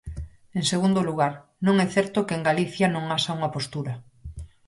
En segundo lugar, non é certo que en Galicia non haxa unha postura.